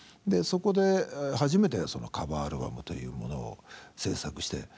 そこで初めてカバーアルバムというものを制作して。